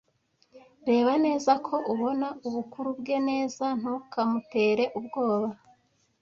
"Reba neza ko ubona ubukuru bwe neza. Ntukamutere ubwoba."